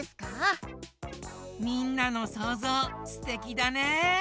みんなのそうぞうすてきだね！